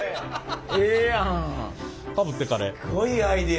すごいアイデア。